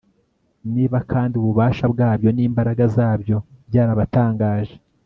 niba kandi ububasha bwabyo n'imbaraga zabyo byarabatangaje